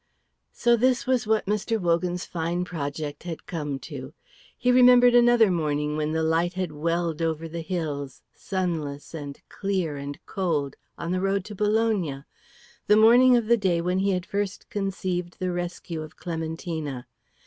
So this was what Mr. Wogan's fine project had come to. He remembered another morning when the light had welled over the hills, sunless and clear and cold, on the road to Bologna, the morning of the day when he had first conceived the rescue of Clementina.